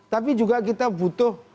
tapi juga kita butuh